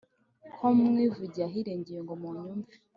ko mvugiye ahirengeye ngo munyumve